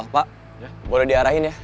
pak boleh diarahin ya